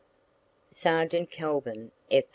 Sergeant Calvin F.